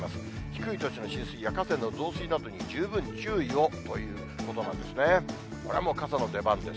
低い土地の浸水や河川の増水などに十分注意をということなんですね。